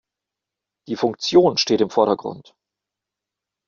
Die Funktion steht im Vordergrund.